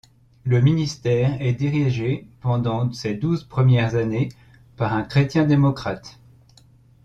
Le ministère est dirigé pendant ses douze premières années par un chrétien-démocrate.